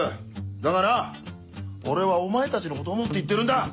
だがな俺はお前たちのことを思って言ってるんだ！